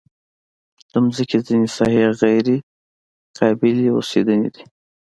د مځکې ځینې ساحې غیر قابلې اوسېدنې دي.